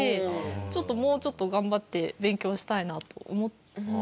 ちょっともうちょっと頑張って勉強したいなと思って。